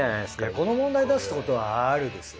この問題出すってことは「ある」ですよ。